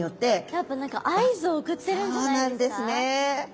やっぱ何か合図を送ってるんじゃないですか？